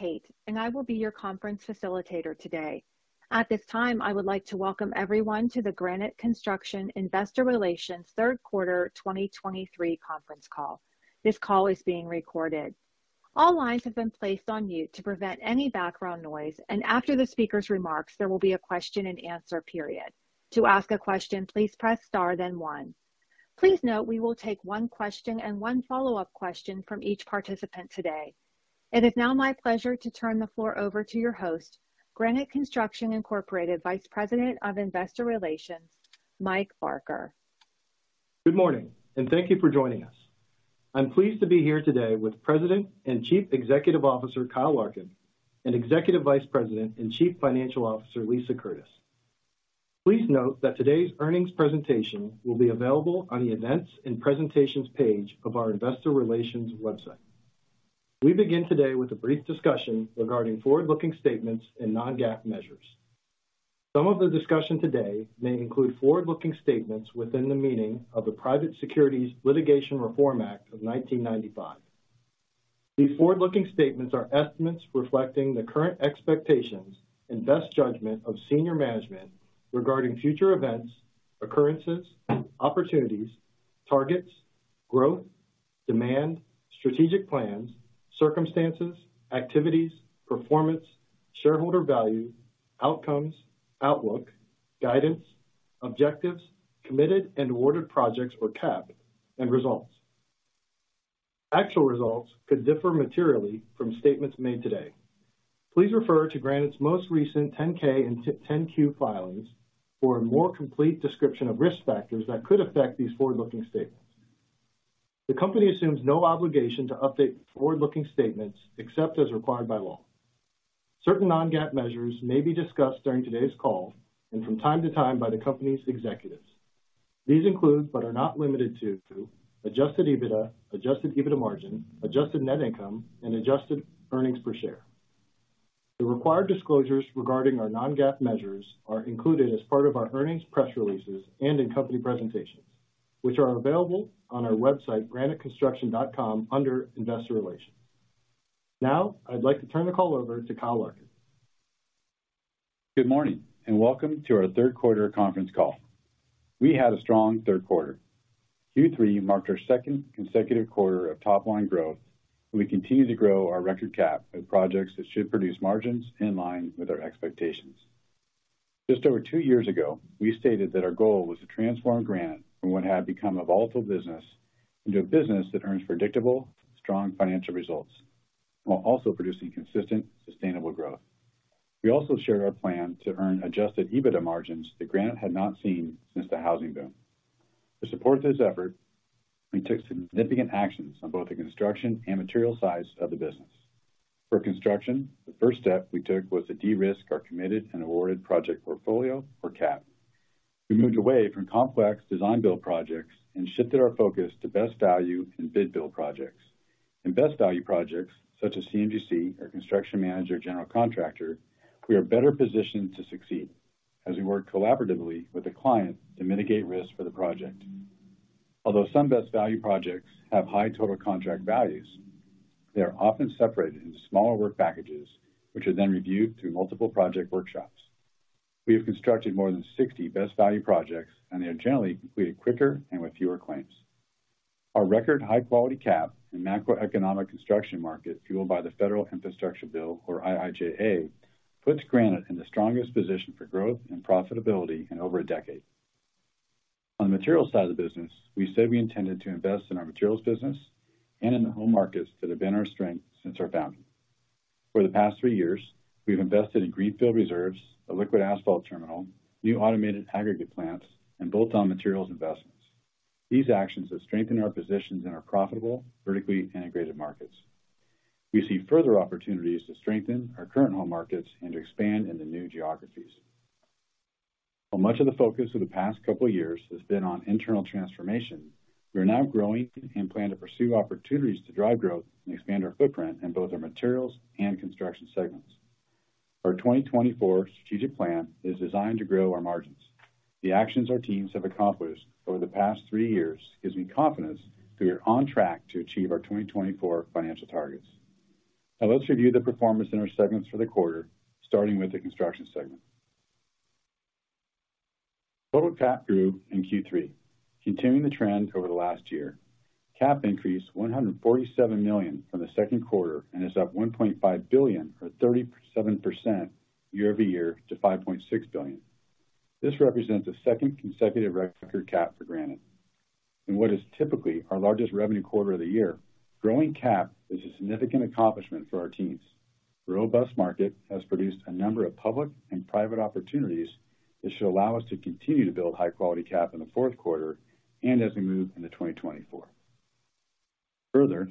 My name is Kate, and I will be your conference facilitator today. At this time, I would like to welcome everyone to the Granite Construction Investor Relations third quarter 2023 conference call. This call is being recorded. All lines have been placed on mute to prevent any background noise, and after the speaker's remarks, there will be a question and answer period. To ask a question, please press star, then one. Please note, we will take one question and one follow-up question from each participant today. It is now my pleasure to turn the floor over to your host, Granite Construction Incorporated, Vice President of Investor Relations, Mike Barker. Good morning, and thank you for joining us. I'm pleased to be here today with President and Chief Executive Officer, Kyle Larkin, and Executive Vice President and Chief Financial Officer, Lisa Curtis. Please note that today's earnings presentation will be available on the Events and Presentations page of our Investor Relations website. We begin today with a brief discussion regarding forward-looking statements and non-GAAP measures. Some of the discussion today may include forward-looking statements within the meaning of the Private Securities Litigation Reform Act of 1995. These forward-looking statements are estimates reflecting the current expectations and best judgment of senior management regarding future events, occurrences, opportunities, targets, growth, demand, strategic plans, circumstances, activities, performance, shareholder value, outcomes, outlook, guidance, objectives, committed and awarded projects or CAP, and results. Actual results could differ materially from statements made today. Please refer to Granite's most recent 10-K and 10-Q filings for a more complete description of risk factors that could affect these forward-looking statements. The company assumes no obligation to update forward-looking statements except as required by law. Certain non-GAAP measures may be discussed during today's call and from time to time by the company's executives. These include, but are not limited to, Adjusted EBITDA, Adjusted EBITDA Margin, Adjusted Net Income, and Adjusted Earnings Per Share. The required disclosures regarding our non-GAAP measures are included as part of our earnings press releases and in company presentations, which are available on our website, graniteconstruction.com, under Investor Relations. Now, I'd like to turn the call over to Kyle Larkin. Good morning, and welcome to our third quarter conference call. We had a strong third quarter. Q3 marked our second consecutive quarter of top-line growth. We continue to grow our record CAP with projects that should produce margins in line with our expectations. Just over two years ago, we stated that our goal was to transform Granite from what had become a volatile business into a business that earns predictable, strong financial results, while also producing consistent, sustainable growth. We also shared our plan to earn Adjusted EBITDA margins that Granite had not seen since the housing boom. To support this effort, we took significant actions on both the construction and materials side of the business. For construction, the first step we took was to de-risk our committed and awarded project portfolio or CAP. We moved away from complex Design-Build projects and shifted our focus to Best Value and Bid-Build projects. In Best Value projects such as CM/GC or Construction Manager, General Contractor, we are better positioned to succeed as we work collaboratively with the client to mitigate risk for the project. Although some Best Value projects have high total contract values, they are often separated into smaller work packages, which are then reviewed through multiple project workshops. We have constructed more than 60 Best Value projects, and they are generally completed quicker and with fewer claims. Our record high-quality CAP and macroeconomic construction market, fueled by the Federal Infrastructure Bill, or IIJA, puts Granite in the strongest position for growth and profitability in over a decade. On the material side of the business, we said we intended to invest in our materials business and in the home markets that have been our strength since our founding. For the past three years, we've invested in greenfield reserves, a liquid asphalt terminal, new automated aggregate plants, and bolt-on materials investments. These actions have strengthened our positions in our profitable, vertically integrated markets. We see further opportunities to strengthen our current home markets and to expand into new geographies. While much of the focus of the past couple of years has been on internal transformation, we are now growing and plan to pursue opportunities to drive growth and expand our footprint in both our materials and Construction segments. Our 2024 strategic plan is designed to grow our margins. The actions our teams have accomplished over the past three years gives me confidence that we are on track to achieve our 2024 financial targets. Now, let's review the performance in our segments for the quarter, starting with the Construction segment. Total CAP grew in Q3. Continuing the trend over the last year, CAP increased $147 million from the second quarter and is up $1.5 billion, or 37% year-over-year to $5.6 billion. This represents the second consecutive record CAP for Granite. In what is typically our largest revenue quarter of the year, growing CAP is a significant accomplishment for our teams. The robust market has produced a number of public and private opportunities that should allow us to continue to build high-quality CAP in the fourth quarter and as we move into 2024. Further,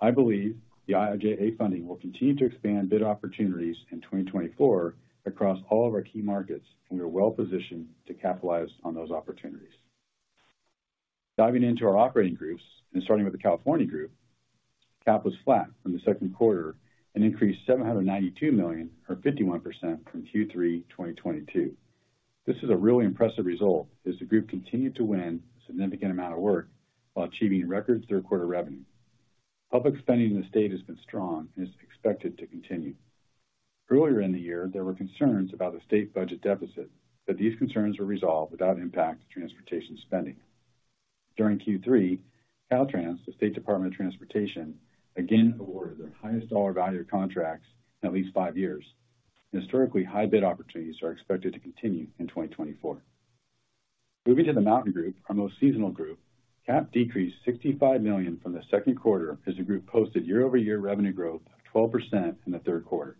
I believe the IIJA funding will continue to expand bid opportunities in 2024 across all of our key markets, and we are well positioned to capitalize on those opportunities. Diving into our operating groups and starting with the California Group, CAP was flat from the second quarter and increased $792 million, or 51% from Q3 2022. This is a really impressive result, as the group continued to win a significant amount of work while achieving record third quarter revenue. Public spending in the state has been strong and is expected to continue. Earlier in the year, there were concerns about the state budget deficit, but these concerns were resolved without impact to transportation spending. During Q3, Caltrans, the California Department of Transportation, again awarded their highest dollar value of contracts in at least five years. Historically, high bid opportunities are expected to continue in 2024. Moving to the Mountain Group, our most seasonal group, CAP decreased $65 million from the second quarter as the group posted year-over-year revenue growth of 12% in the third quarter.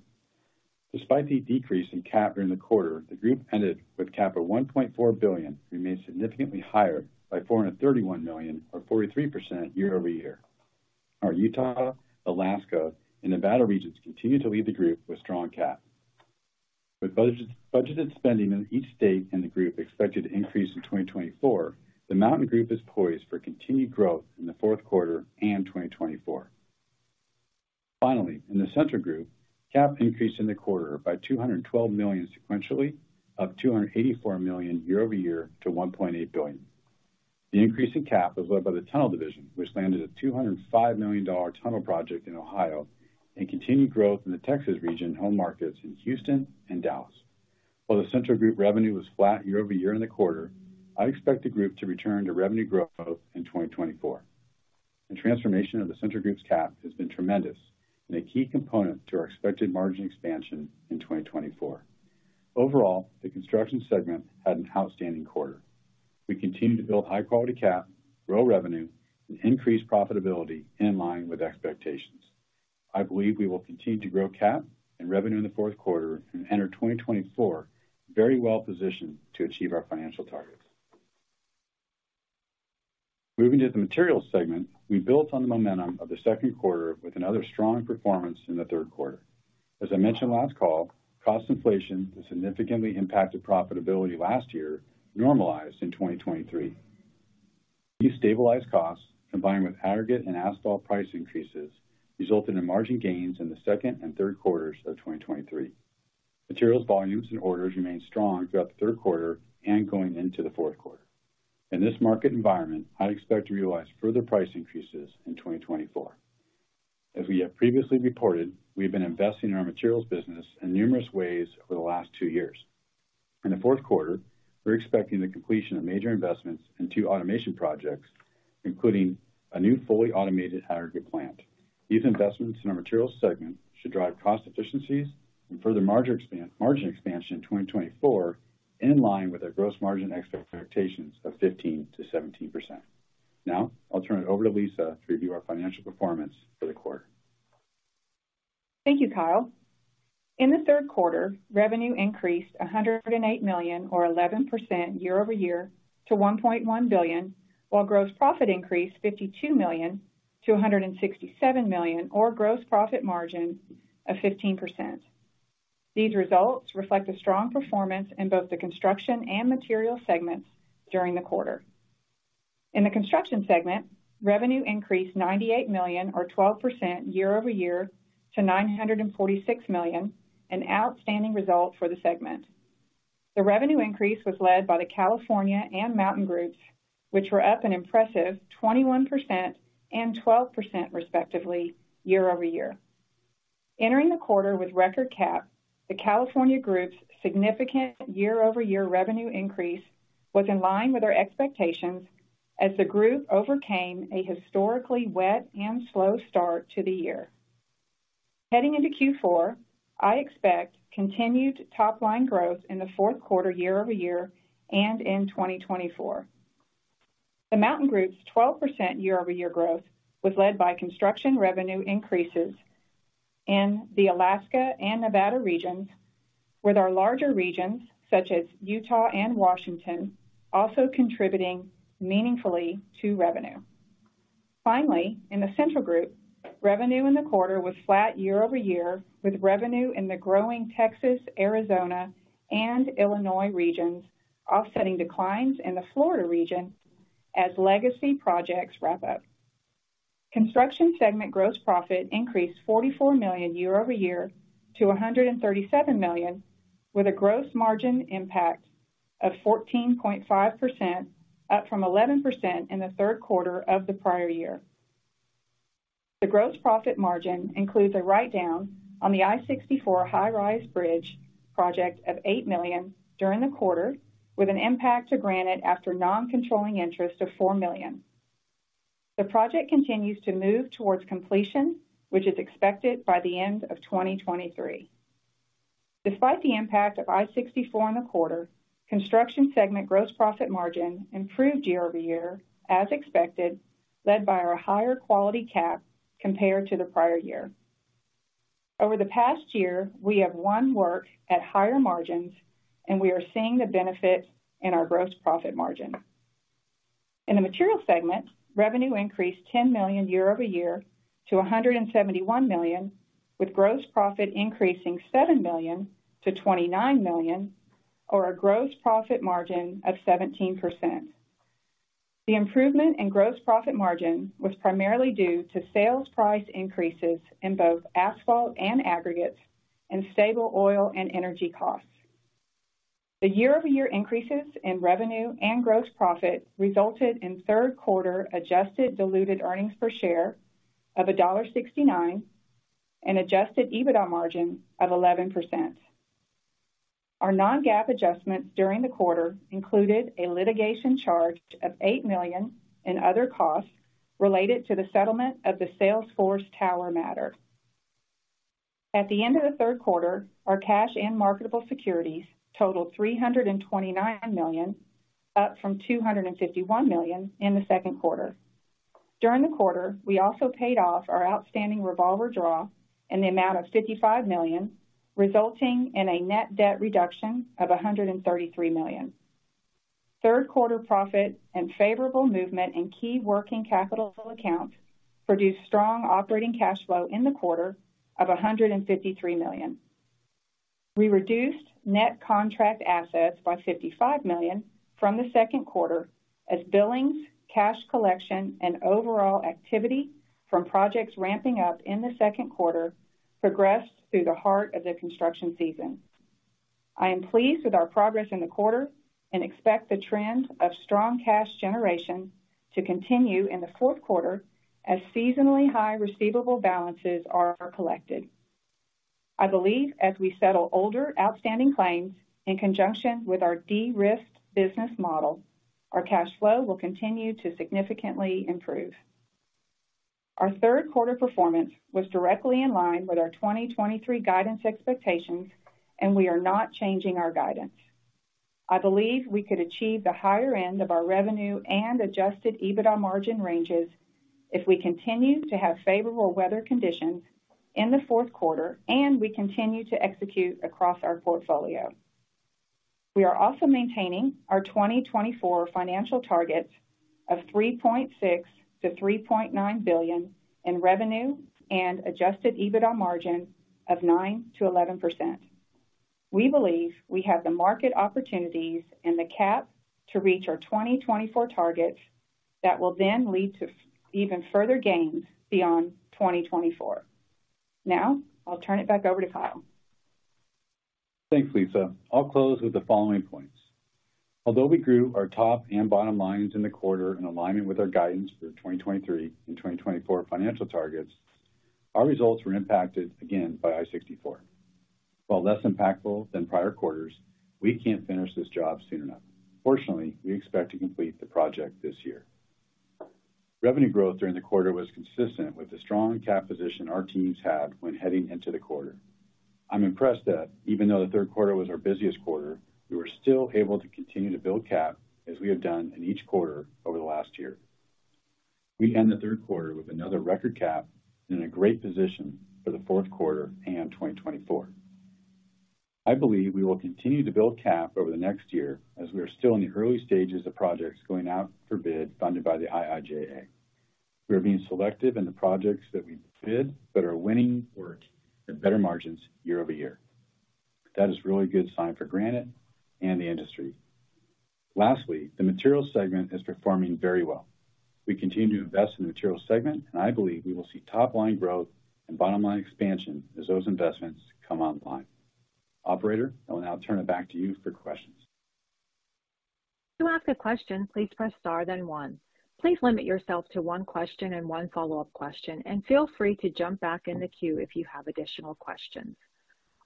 Despite the decrease in CAP during the quarter, the group ended with CAP of $1.4 billion, remaining significantly higher by $431 million or 43% year-over-year. Our Utah, Alaska, and Nevada regions continue to lead the group with strong CAP. With budget, budgeted spending in each state, and the group expected to increase in 2024, the Mountain Group is poised for continued growth in the fourth quarter and 2024. Finally, in the Central Group, CAP increased in the quarter by $212 million sequentially, up $284 million year-over-year to $1.8 billion. The increase in CAP was led by the Tunnel Division, which landed a $205 million tunnel project in Ohio, and continued growth in the Texas region, home markets in Houston and Dallas. While the Central Group revenue was flat year-over-year in the quarter, I expect the group to return to revenue growth in 2024. The transformation of the Central Group's CAP has been tremendous and a key component to our expected margin expansion in 2024. Overall, the Construction segment had an outstanding quarter. We continue to build high-quality CAP, grow revenue, and increase profitability in line with expectations. I believe we will continue to grow CAP and revenue in the fourth quarter and enter 2024 very well positioned to achieve our financial targets. Moving to the Materials segment, we built on the momentum of the second quarter with another strong performance in the third quarter. As I mentioned last call, cost inflation has significantly impacted profitability last year, normalized in 2023. These stabilized costs, combined with aggregate and asphalt price increases, resulted in margin gains in the second and third quarters of 2023. Materials, volumes, and orders remained strong throughout the third quarter and going into the fourth quarter. In this market environment, I expect to realize further price increases in 2024. As we have previously reported, we've been investing in our materials business in numerous ways over the last two years. In the fourth quarter, we're expecting the completion of major investments in two automation projects, including a new fully automated aggregate plant. These investments in our materials segment should drive cost efficiencies and further margin expansion in 2024, in line with our gross margin expectations of 15%-17%. Now, I'll turn it over to Lisa to review our financial performance for the quarter. Thank you, Kyle. In the third quarter, revenue increased $108 million, or 11% year-over-year, to $1.1 billion, while gross profit increased $52 million to $167 million, or gross profit margin of 15%. These results reflect a strong performance in both the Construction and Materials segments during the quarter. In the Construction segment, revenue increased $98 million, or 12% year-over-year, to $946 million, an outstanding result for the segment. The revenue increase was led by the California and Mountain Groups, which were up an impressive 21% and 12% respectively, year-over-year. Entering the quarter with record CAP, the California Group's significant year-over-year revenue increase was in line with our expectations as the group overcame a historically wet and slow start to the year. Heading into Q4, I expect continued top-line growth in the fourth quarter year-over-year and in 2024. The Mountain Group's 12% year-over-year growth was led by construction revenue increases in the Alaska and Nevada regions, with our larger regions, such as Utah and Washington, also contributing meaningfully to revenue. Finally, in the Central Group, revenue in the quarter was flat year-over-year, with revenue in the growing Texas, Arizona, and Illinois regions, offsetting declines in the Florida region as legacy projects wrap up. Construction segment gross profit increased $44 million year-over-year to $137 million, with a gross margin impact of 14.5%, up from 11% in the third quarter of the prior year. The gross profit margin includes a write-down on the I-64 High Rise Bridge project of $8 million during the quarter, with an impact to Granite after non-controlling interest of $4 million. The project continues to move towards completion, which is expected by the end of 2023. Despite the impact of I-64 in the quarter, Construction segment gross profit margin improved year-over-year, as expected, led by our higher quality CAP compared to the prior year. Over the past year, we have won work at higher margins, and we are seeing the benefit in our gross profit margin. In the Material segment, revenue increased $10 million year-over-year to $171 million, with gross profit increasing $7 million to $29 million, or a gross profit margin of 17%....The improvement in gross profit margin was primarily due to sales price increases in both asphalt and aggregates, and stable oil and energy costs. The year-over-year increases in revenue and gross profit resulted in third quarter Adjusted Diluted Earnings Per Share of $1.69, and Adjusted EBITDA margin of 11%. Our non-GAAP adjustments during the quarter included a litigation charge of $8 million in other costs related to the settlement of the Salesforce Tower matter. At the end of the third quarter, our cash and marketable securities totaled $329 million, up from $251 million in the second quarter. During the quarter, we also paid off our outstanding revolver draw in the amount of $55 million, resulting in a net debt reduction of $133 million. Third quarter profit and favorable movement in key working capital accounts produced strong operating cash flow in the quarter of $153 million. We reduced net contract assets by $55 million from the second quarter, as billings, cash collection, and overall activity from projects ramping up in the second quarter progressed through the heart of the construction season. I am pleased with our progress in the quarter and expect the trend of strong cash generation to continue in the fourth quarter as seasonally high receivable balances are collected. I believe as we settle older outstanding claims in conjunction with our de-risked business model, our cash flow will continue to significantly improve. Our third quarter performance was directly in line with our 2023 guidance expectations, and we are not changing our guidance. I believe we could achieve the higher end of our revenue and Adjusted EBITDA margin ranges if we continue to have favorable weather conditions in the fourth quarter, and we continue to execute across our portfolio. We are also maintaining our 2024 financial targets of $3.6 billion-$3.9 billion in revenue and Adjusted EBITDA margin of 9%-11%. We believe we have the market opportunities and the CAP to reach our 2024 targets, that will then lead to even further gains beyond 2024. Now, I'll turn it back over to Kyle. Thanks, Lisa. I'll close with the following points. Although we grew our top and bottom lines in the quarter in alignment with our guidance for the 2023 and 2024 financial targets, our results were impacted again by I-64. While less impactful than prior quarters, we can't finish this job soon enough. Fortunately, we expect to complete the project this year. Revenue growth during the quarter was consistent with the strong CAP position our teams had when heading into the quarter. I'm impressed that even though the third quarter was our busiest quarter, we were still able to continue to build CAP as we have done in each quarter over the last year. We end the third quarter with another record CAP and in a great position for the fourth quarter and 2024. I believe we will continue to build CAP over the next year as we are still in the early stages of projects going out for bid, funded by the IIJA. We are being selective in the projects that we bid, but are winning work at better margins year-over-year. That is really a good sign for Granite and the industry. Lastly, the materials segment is performing very well. We continue to invest in the materials segment, and I believe we will see top-line growth and bottom-line expansion as those investments come online. Operator, I will now turn it back to you for questions. To ask a question, please press star, then One. Please limit yourself to one question and one follow-up question, and feel free to jump back in the queue if you have additional questions.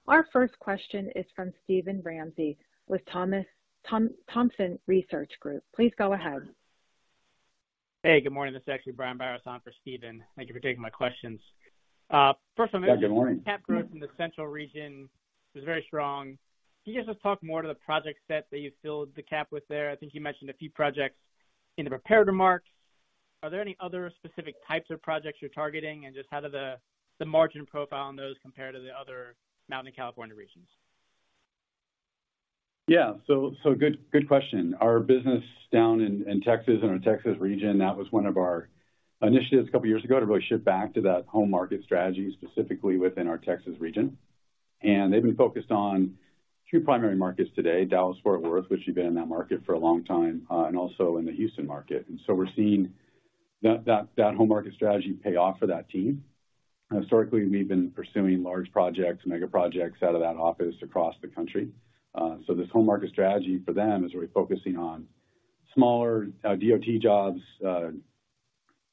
Our first question is from Steven Ramsey with Thompson Research Group. Please go ahead. Hey, good morning. This is actually Brian Biros on for Steven. Thank you for taking my questions. First- Yeah, good morning. CAP growth in the central region was very strong. Can you guys just talk more to the project set that you filled the CAP with there? I think you mentioned a few projects in the prepared remarks. Are there any other specific types of projects you're targeting, and just how did the margin profile on those compare to the other Mountain California regions? Yeah. So, good question. Our business down in Texas, in our Texas region, that was one of our initiatives a couple years ago, to really shift back to that home market strategy, specifically within our Texas region. And they've been focused on two primary markets today, Dallas-Fort Worth, which we've been in that market for a long time, and also in the Houston market. And so we're seeing that home market strategy pay off for that team. Historically, we've been pursuing large projects, mega projects, out of that office across the country. So this home market strategy for them is really focusing on smaller, DOT jobs,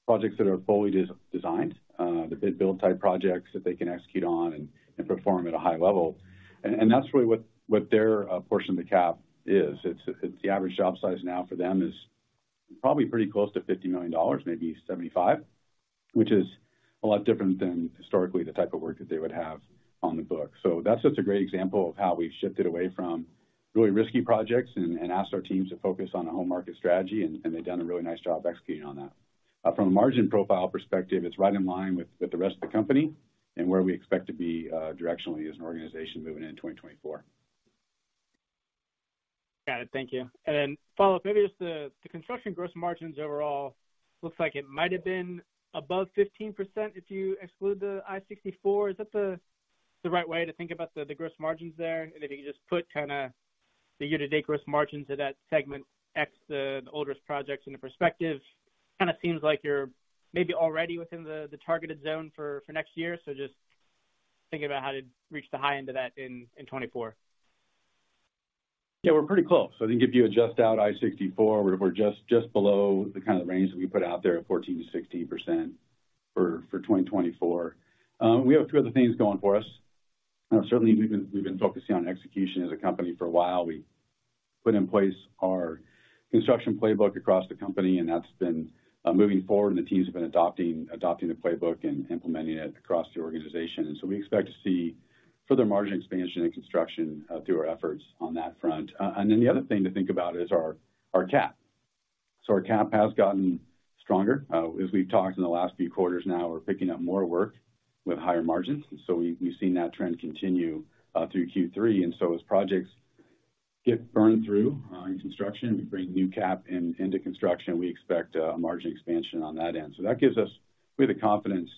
projects that are fully designed, the Bid-Build type projects that they can execute on and perform at a high level. That's really what their portion of the CAP is. It's the average job size now for them is probably pretty close to $50 million, maybe $75 million, which is a lot different than historically the type of work that they would have on the books. So that's just a great example of how we've shifted away from really risky projects and asked our teams to focus on a home market strategy, and they've done a really nice job executing on that. From a margin profile perspective, it's right in line with the rest of the company and where we expect to be, directionally as an organization moving into 2024. Got it. Thank you. And then follow up, maybe just the construction gross margins overall.... Looks like it might have been above 15% if you exclude the I-64. Is that the right way to think about the gross margins there? And if you could just put kind of the year-to-date gross margin to that segment X, the oldest projects into perspective. Kind of seems like you're maybe already within the targeted zone for next year. So just thinking about how to reach the high end of that in 2024. Yeah, we're pretty close. So I think if you adjust out I-64, we're just below the kind of range that we put out there of 14%-16% for 2024. We have a few other things going for us. Certainly, we've been focusing on execution as a company for a while. We put in place our construction playbook across the company, and that's been moving forward, and the teams have been adopting the playbook and implementing it across the organization. And so we expect to see further margin expansion in construction through our efforts on that front. And then the other thing to think about is our CAP. So our CAP has gotten stronger. As we've talked in the last few quarters, now we're picking up more work with higher margins. So we've seen that trend continue through Q3. And so as projects get burned through in construction, we bring new CAP into construction. We expect a margin expansion on that end. So that gives us... We have the confidence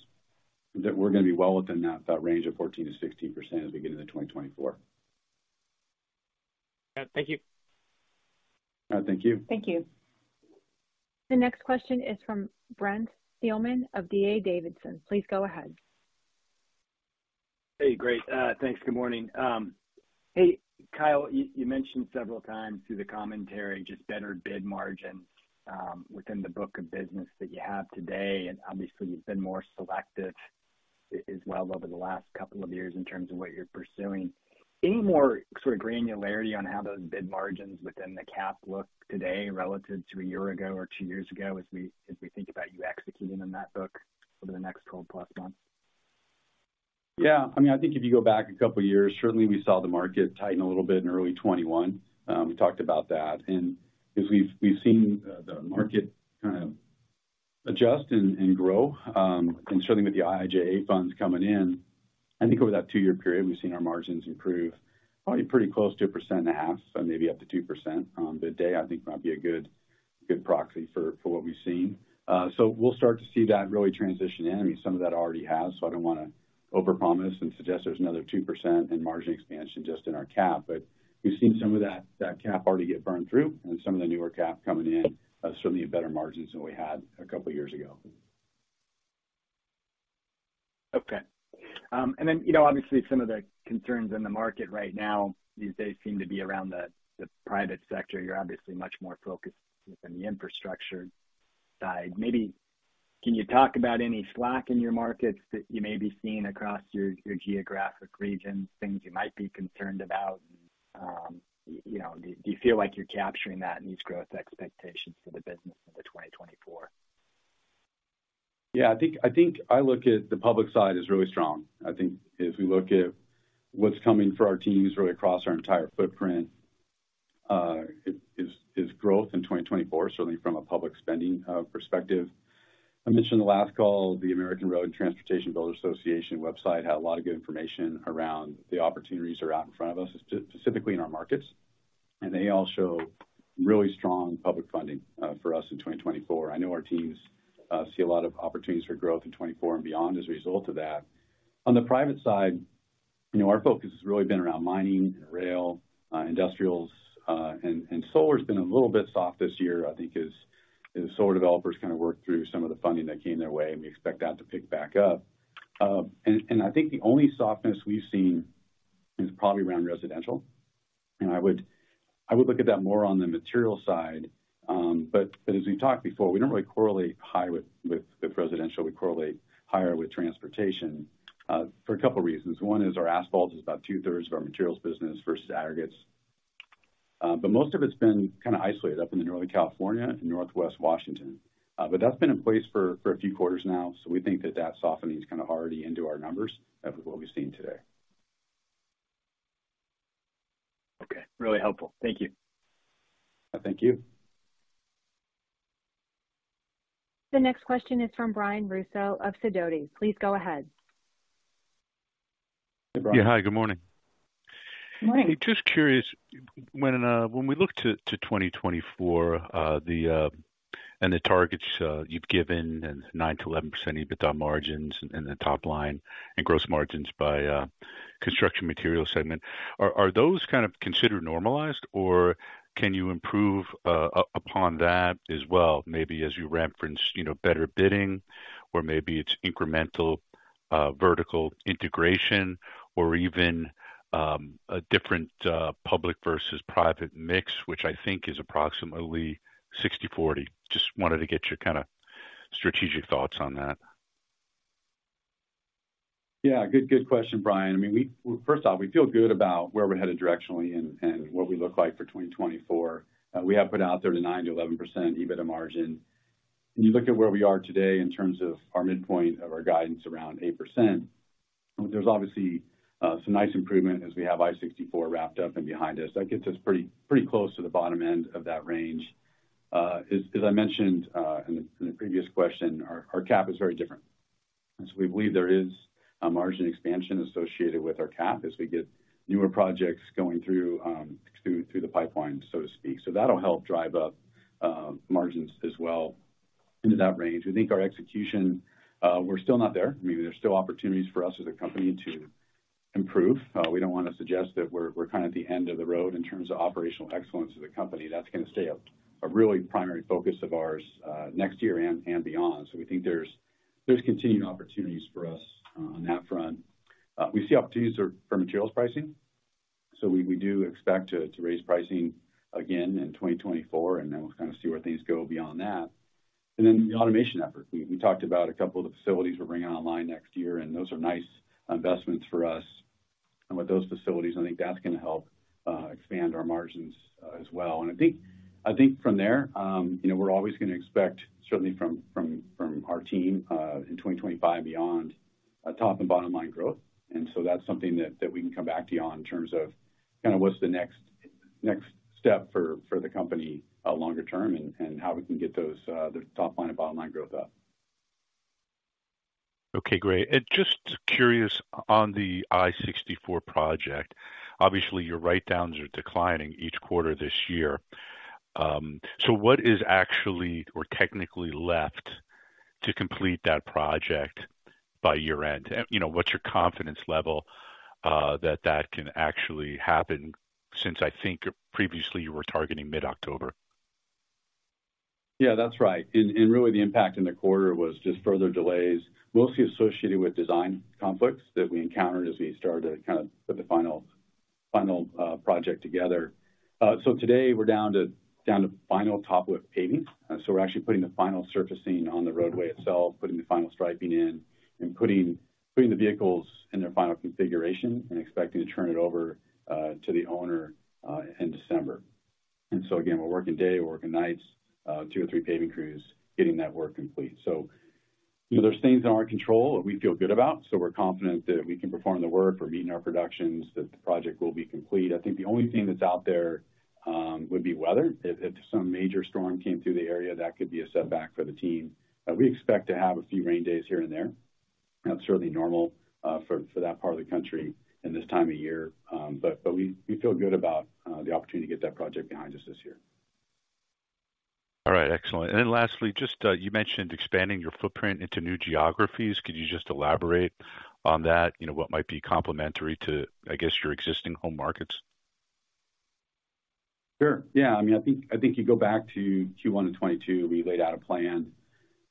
that we're going to be well within that range of 14%-16% as we get into 2024. Thank you. All right, thank you. Thank you. Thank you. The next question is from Brent Thielman of D.A. Davidson. Please go ahead. Hey, great. Thanks. Good morning. Hey, Kyle, you, you mentioned several times through the commentary, just better bid margins within the book of business that you have today, and obviously you've been more selective as well over the last couple of years in terms of what you're pursuing. Any more sort of granularity on how those bid margins within the CAP look today relative to a year ago or two years ago, as we think about you executing in that book over the next 12 plus months? Yeah, I mean, I think if you go back a couple of years, certainly we saw the market tighten a little bit in early 2021. We talked about that. And as we've seen the market kind of adjust and grow, and certainly with the IIJA funds coming in, I think over that two-year period, we've seen our margins improve, probably pretty close to 1.5%, so maybe up to 2% on bid day, I think might be a good proxy for what we've seen. So we'll start to see that really transition in. I mean, some of that already has, so I don't want to overpromise and suggest there's another 2% in margin expansion just in our CAP. But we've seen some of that, that CAP already get burned through and some of the newer CAP coming in, certainly better margins than we had a couple of years ago. Okay. And then, you know, obviously, some of the concerns in the market right now these days seem to be around the private sector. You're obviously much more focused within the infrastructure side. Maybe can you talk about any slack in your markets that you may be seeing across your geographic regions, things you might be concerned about? You know, do you feel like you're capturing that in these growth expectations for the business in the 2024? Yeah, I think I look at the public side as really strong. I think if we look at what's coming for our teams really across our entire footprint, is growth in 2024, certainly from a public spending perspective. I mentioned the last call, the American Road and Transportation Builders Association website had a lot of good information around the opportunities that are out in front of us, specifically in our markets, and they all show really strong public funding for us in 2024. I know our teams see a lot of opportunities for growth in 2024 and beyond as a result of that. On the private side, you know, our focus has really been around mining and rail, industrials, and solar has been a little bit soft this year, I think as solar developers kind of work through some of the funding that came their way, and we expect that to pick back up. And I think the only softness we've seen is probably around residential, and I would look at that more on the material side. But as we've talked before, we don't really correlate high with residential. We correlate higher with transportation, for a couple reasons. One is our asphalt is about two-thirds of our materials business versus aggregates. But most of it's been kind of isolated up in Northern California and Northwest Washington. But that's been in place for a few quarters now, so we think that that softening is kind of already into our numbers of what we've seen today. Okay. Really helpful. Thank you. Thank you. The next question is from Brian Russo of Sidoti. Please go ahead. Hey, Brian. Yeah, hi, good morning. Just curious, when we look to 2024, and the targets you've given and 9%-11% EBITDA margins and the top line and gross margins by construction Material segment, are those kind of considered normalized, or can you improve upon that as well? Maybe as you referenced, you know, better bidding, or maybe it's incremental vertical integration or even a different public versus private mix, which I think is approximately 60/40. Just wanted to get your kind of strategic thoughts on that. Yeah, good, good question, Brian. I mean, first off, we feel good about where we're headed directionally and what we look like for 2024. We have put out there the 9%-11% EBITDA margin. When you look at where we are today in terms of our midpoint of our guidance around 8%, there's obviously some nice improvement as we have I-64 wrapped up and behind us. That gets us pretty, pretty close to the bottom end of that range. As I mentioned in the previous question, our CAP is very different. And so we believe there is a margin expansion associated with our CAP as we get newer projects going through the pipeline, so to speak. So that'll help drive up margins as well into that range. We think our execution, we're still not there. I mean, there's still opportunities for us as a company to improve. We don't want to suggest that we're, we're kind of at the end of the road in terms of operational excellence as a company. That's gonna stay a, a really primary focus of ours, next year and, and beyond. So we think there's, there's continued opportunities for us, on that front. We see opportunities for, for materials pricing, so we, we do expect to, to raise pricing again in 2024, and then we'll kind of see where things go beyond that. And then the automation efforts. We, we talked about a couple of the facilities we're bringing online next year, and those are nice investments for us. And with those facilities, I think that's gonna help, expand our margins, as well. I think, I think from there, you know, we're always gonna expect, certainly from our team, in 2025 beyond, a top and bottom line growth. And so that's something that we can come back to you on in terms of kind of what's the next step for the company, longer term and how we can get those, the top line and bottom line growth up. Okay, great. And just curious, on the I-64 project, obviously, your writedowns are declining each quarter this year. So what is actually or technically left to complete that project by year-end? And, you know, what's your confidence level, that that can actually happen since I think previously you were targeting mid-October? Yeah, that's right. And really, the impact in the quarter was just further delays, mostly associated with design conflicts that we encountered as we started to kind of put the final, final, project together. So today we're down to final top with paving. So we're actually putting the final surfacing on the roadway itself, putting the final striping in, and putting the vehicles in their final configuration and expecting to turn it over, to the owner, in December. And so again, we're working day, we're working nights, two or three paving crews getting that work complete. So, you know, there's things in our control that we feel good about, so we're confident that we can perform the work. We're meeting our productions, that the project will be complete. I think the only thing that's out there, would be weather. If some major storm came through the area, that could be a setback for the team. We expect to have a few rain days here and there. That's certainly normal for that part of the country in this time of year. But we feel good about the opportunity to get that project behind us this year. All right, excellent. And then lastly, just, you mentioned expanding your footprint into new geographies. Could you just elaborate on that? You know, what might be complementary to, I guess, your existing home markets? Sure. Yeah. I mean, I think, I think you go back to Q1 of 2022, we laid out a plan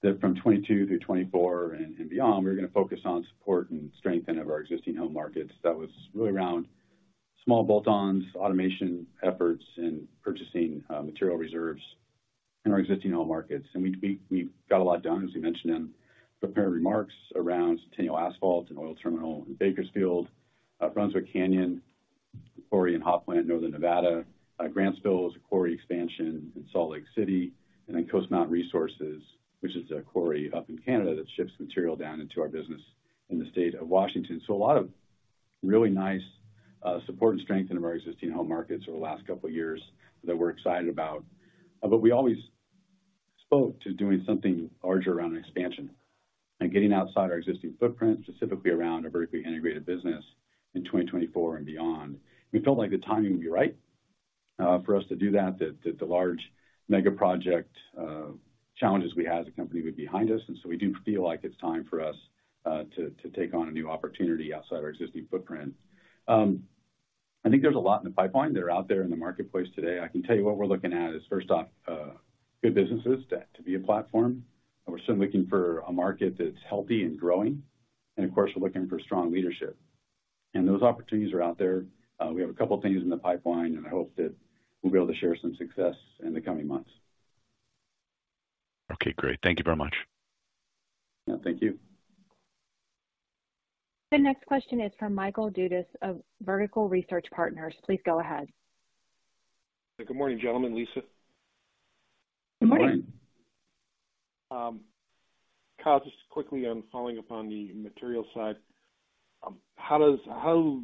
that from 2022 through 2024 and beyond, we're gonna focus on support and strengthening of our existing home markets. That was really around small bolt-ons, automation efforts, and purchasing material reserves in our existing home markets. And we got a lot done, as we mentioned in prepared remarks around Centennial Asphalt and oil terminal in Bakersfield, Brunswick Canyon Quarry in Northern Nevada, Grantsville, it's a quarry expansion in Salt Lake City, and then Coast Mountain Resources, which is a quarry up in Canada that ships material down into our business in the state of Washington. So a lot of really nice support and strength in our existing home markets over the last couple of years that we're excited about. But we always spoke to doing something larger around expansion and getting outside our existing footprint, specifically around a vertically integrated business in 2024 and beyond. We felt like the timing would be right for us to do that, the large mega project challenges we had as a company were behind us, and so we do feel like it's time for us to take on a new opportunity outside our existing footprint. I think there's a lot in the pipeline that are out there in the marketplace today. I can tell you what we're looking at is, first off, good businesses to be a platform. We're still looking for a market that's healthy and growing, and of course, we're looking for strong leadership. And those opportunities are out there. We have a couple of things in the pipeline, and I hope that we'll be able to share some success in the coming months. Okay, great. Thank you very much. Yeah, thank you. The next question is from Michael Dudas of Vertical Research Partners. Please go ahead. Good morning, gentlemen, Lisa. Good morning. Good morning. Kyle, just quickly on following up on the material side, how does—how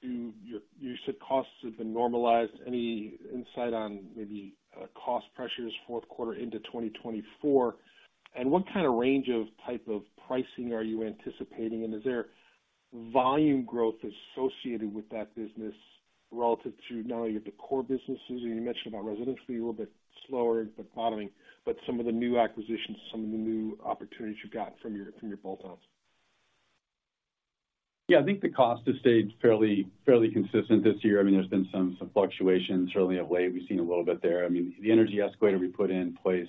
do your... You said costs have been normalized. Any insight on maybe, cost pressures fourth quarter into 2024? And what kind of range of type of pricing are you anticipating, and is there volume growth associated with that business relative to not only the core businesses, and you mentioned about residential being a little bit slower, but bottoming, but some of the new acquisitions, some of the new opportunities you've got from your, from your bolt-ons? Yeah, I think the cost has stayed fairly, fairly consistent this year. I mean, there's been some, some fluctuations. Certainly of late, we've seen a little bit there. I mean, the energy escalator we put in place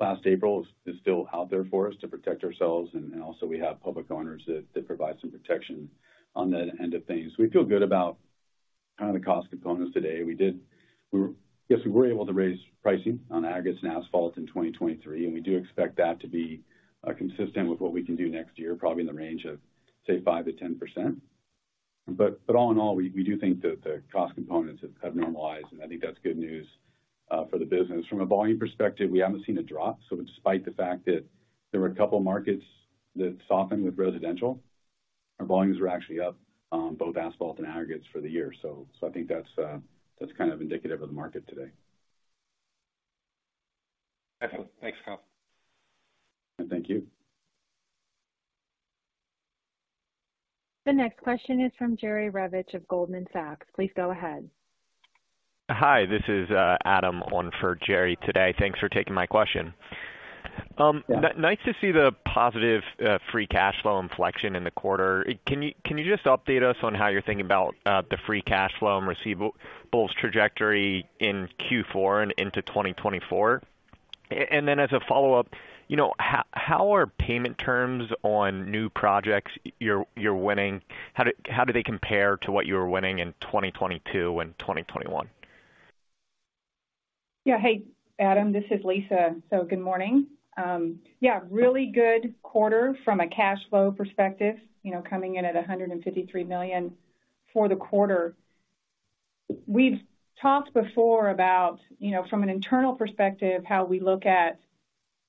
last April is, is still out there for us to protect ourselves, and, and also we have public owners that, that provide some protection on that end of things. We feel good about kind of the cost components today. Yes, we were able to raise pricing on aggregates and asphalts in 2023, and we do expect that to be consistent with what we can do next year, probably in the range of, say, 5%-10%. But, but all in all, we, we do think that the cost components have, have normalized, and I think that's good news for the business. From a volume perspective, we haven't seen a drop. So despite the fact that there were a couple of markets that softened with residential, our volumes were actually up on both asphalt and aggregates for the year. So I think that's, that's kind of indicative of the market today. Excellent. Thanks, Kyle. And thank you. The next question is from Jerry Revich of Goldman Sachs. Please go ahead. Hi, this is Adam on for Jerry today. Thanks for taking my question. Nice to see the positive free cash flow inflection in the quarter. Can you just update us on how you're thinking about the free cash flow and receivables trajectory in Q4 and into 2024? And then as a follow-up, you know, how are payment terms on new projects you're winning? How do they compare to what you were winning in 2022 and 2021? Yeah. Hey, Adam, this is Lisa. So good morning. Yeah, really good quarter from a cash flow perspective, you know, coming in at $153 million for the quarter. We've talked before about, you know, from an internal perspective, how we look at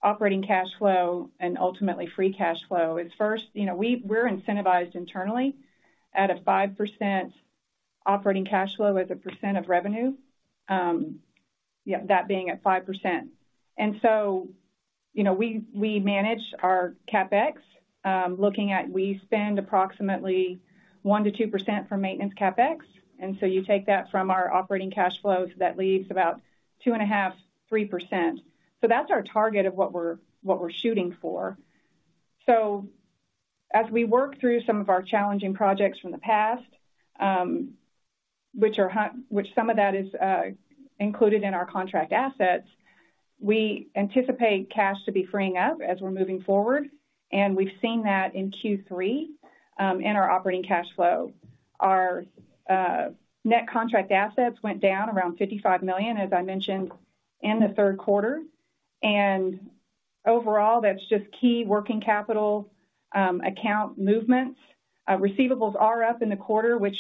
operating cash flow and ultimately free cash flow. It's first, you know, we're incentivized internally at a 5% operating cash flow as a percent of revenue, yeah, that being at 5%. And so, you know, we manage our CapEx, looking at we spend approximately 1%-2% for maintenance CapEx, and so you take that from our operating cash flows, that leaves about 2.5%-3%. So that's our target of what we're shooting for. So as we work through some of our challenging projects from the past, which some of that is included in our contract assets, we anticipate cash to be freeing up as we're moving forward, and we've seen that in Q3 in our operating cash flow. Our net contract assets went down around $55 million, as I mentioned, in the third quarter, and overall, that's just key working capital account movements. Receivables are up in the quarter, which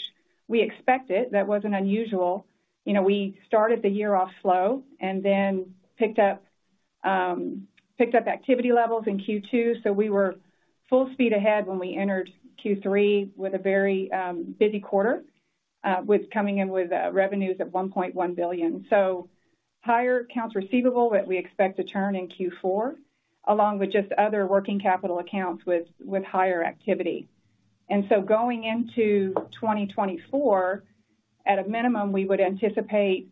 we expected. That wasn't unusual. You know, we started the year off slow and then picked up activity levels in Q2, so we were full speed ahead when we entered Q3 with a very busy quarter with coming in with revenues of $1.1 billion. So higher accounts receivable that we expect to turn in Q4, along with just other working capital accounts with higher activity. And so going into 2024, at a minimum, we would anticipate,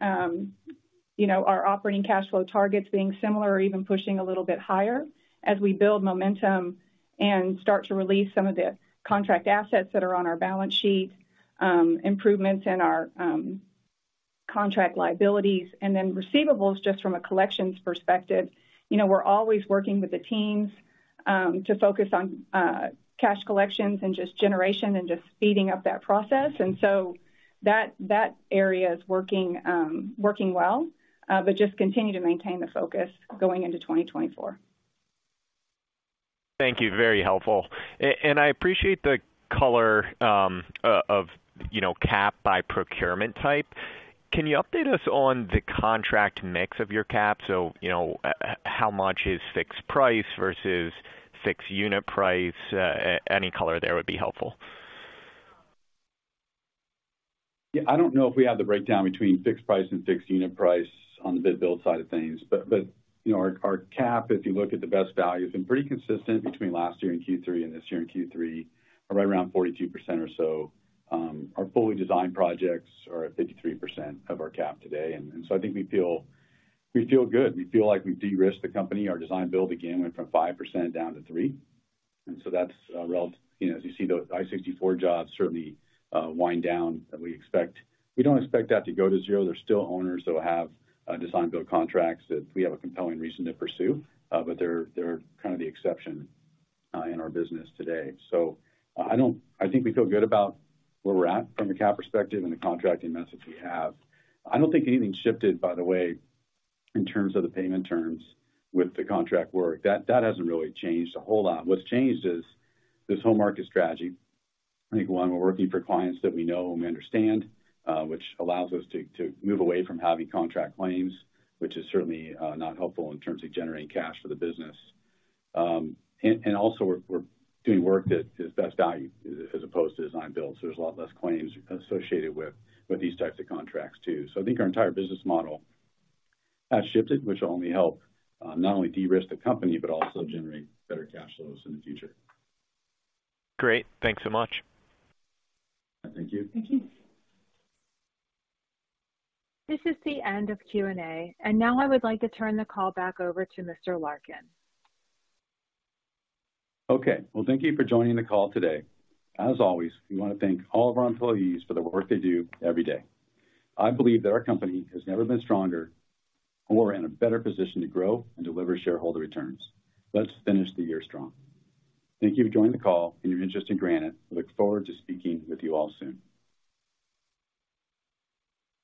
you know, our operating cash flow targets being similar or even pushing a little bit higher as we build momentum and start to release some of the contract assets that are on our balance sheet, improvements in our contract liabilities, and then receivables, just from a collections perspective. You know, we're always working with the teams to focus on cash collections and just generation and just speeding up that process. And so that area is working well, but just continue to maintain the focus going into 2024. Thank you. Very helpful. And I appreciate the color of, you know, CAP by procurement type. Can you update us on the contract mix of your CAP? So, you know, how much is fixed price versus fixed unit price? Any color there would be helpful. Yeah, I don't know if we have the breakdown between fixed price and fixed unit price on the Bid-Build side of things, but, but, you know, our, our CAP, if you look at the Best Value, has been pretty consistent between last year in Q3 and this year in Q3, are right around 42% or so. Our fully designed projects are at 53% of our CAP today, and, and so I think we feel, we feel good. We feel like we've de-risked the company. Our Design-Build, again, went from 5% down to 3%, and so that's. You know, as you see those I-64 jobs certainly wind down that we expect. We don't expect that to go to zero. There's still owners that will have Design-Build contracts that we have a compelling reason to pursue, but they're kind of the exception in our business today. So I don't think we feel good about where we're at from a CAP perspective and the contracting message we have. I don't think anything shifted, by the way, in terms of the payment terms with the contract work. That hasn't really changed a whole lot. What's changed is this whole market strategy. I think, one, we're working for clients that we know and we understand, which allows us to move away from having contract claims, which is certainly not helpful in terms of generating cash for the business. And also, we're doing work that is Best Value, as opposed to Design-Builds. There's a lot less claims associated with these types of contracts, too. So I think our entire business model has shifted, which will only help, not only de-risk the company, but also generate better cash flows in the future. Great. Thanks so much. Thank you. Thank you. This is the end of Q&A, and now I would like to turn the call back over to Mr. Larkin. Okay. Well, thank you for joining the call today. As always, we want to thank all of our employees for the work they do every day. I believe that our company has never been stronger or in a better position to grow and deliver shareholder returns. Let's finish the year strong. Thank you for joining the call and your interest in Granite. I look forward to speaking with you all soon.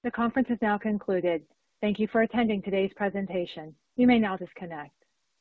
The conference has now concluded. Thank you for attending today's presentation. You may now disconnect.